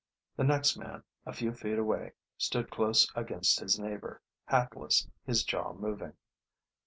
The next man, a few feet away, stood close against his neighbor, hatless, his jaw moving.